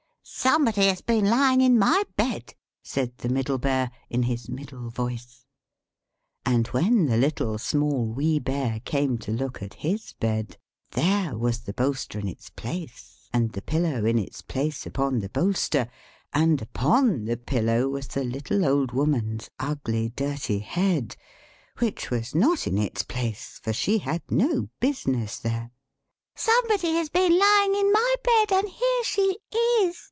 "=Somebody has been lying in my bed!=" said the Middle Sized Bear, in her middle sized voice. And when the Little, Small, Wee Bear came to look at his bed, there was the bolster in its place, and the pillow in its place upon the bolster; and upon the pillow was the little Old Woman's head, which was not in its place, for she had no business there at all. "=Somebody has been lying in my bed and here she is!